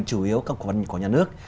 chủ yếu các cổ phần của nhà nước